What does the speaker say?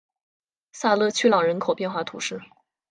萨勒屈朗人口变化图示